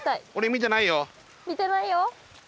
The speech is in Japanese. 見てないよ。